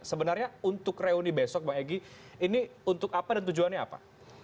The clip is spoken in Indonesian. sebenarnya untuk reuni besok bang egy ini untuk apa dan tujuannya apa